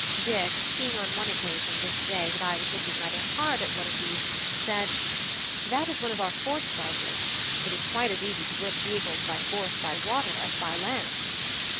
Dick, seeing on one occasion this day, that I was looking rather hard on one of these, said: "That is one of our force barges; it is quite as easy to work vehicles by force by water as by land."